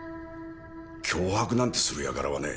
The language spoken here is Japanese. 脅迫なんてするやからはね。